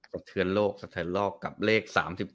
สะเทือนโรคกับเลข๓๔